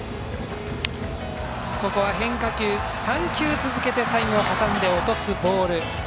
ここは、変化球３球続けて最後は挟んで落とすボール。